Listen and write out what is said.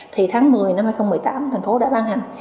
thì tháng một mươi năm hai nghìn một mươi tám thành phố đã ban hành